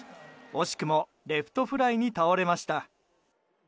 惜しくもレフトフライに倒れました。